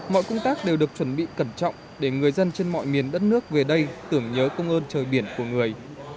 mọi công tác đều được chuẩn bị cẩn trọng để người dân trên mọi miền đất nước về đây tưởng nhớ công ơn trời biển của người